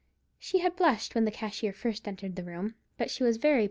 She had blushed when the cashier first entered the room; but she was very pale now.